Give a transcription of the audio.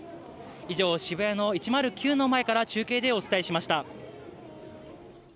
以上、渋谷の１０９の前から中継でお伝えしました。